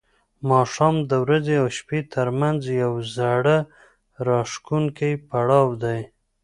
ماښام د ورځې او شپې ترمنځ یو زړه راښکونکی پړاو دی.